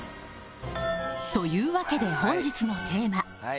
というわけで本日のテーマ。